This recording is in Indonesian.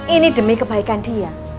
ini demi kebaikan dia